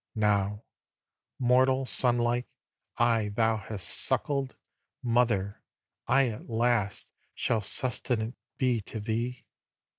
Now, mortal sonlike, I thou hast suckled, Mother, I at last Shall sustenant be to thee.